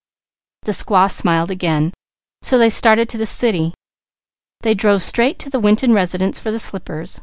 The squaw smiled again, so they started to the city. They drove straight to the Winton residence for the slippers.